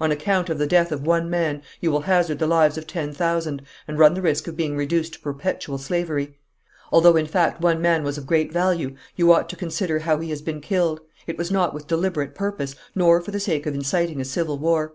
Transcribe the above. On account of the death of one man you will hazard the lives of ten thousand, and run the risk of being reduced to perpetual slavery. Although in fact one man was of great value, you ought to consider how he has been killed; it was not with deliberate purpose, nor for the sake of inciting a civil war.